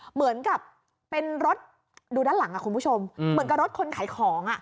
เหมือนกับเป็นรถดูด้านหลังอ่ะคุณผู้ชมเหมือนกับรถคนขายของอ่ะ